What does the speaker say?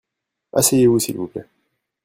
Asseyez-vous s'il vous plait.